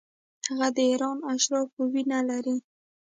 هغه د ایران اشرافو وینه لري.